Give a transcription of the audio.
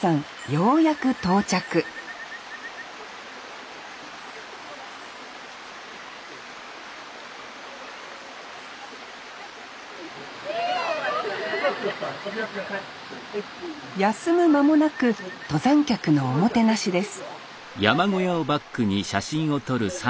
ようやく到着休む間もなく登山客のおもてなしです